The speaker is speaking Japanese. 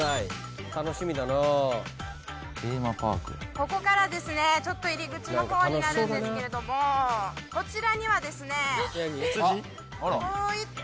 ここからですねちょっと入り口のほうになるんですけれどもこちらにはですねこういった。